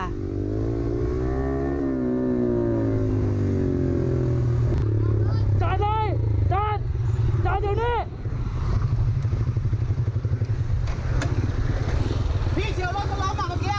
เราดิจันดิจันอยู่นี้